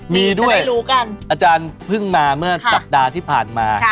มีด้วยอาจารย์เพิ่งมาเมื่อสัปดาห์ที่ผ่านมา